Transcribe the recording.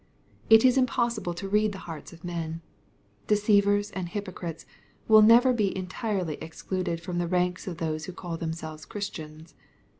It is impossible to read the hearts of men. / Deceivers and hypocrites will never be entirely excluded V. from the ranks of those who call themselves Christians.